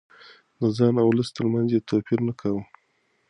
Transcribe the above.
د ځان او ولس ترمنځ يې توپير نه کاوه.